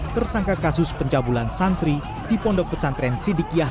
tersangka kasus pencabulan santri di pondok pesantren sidikiah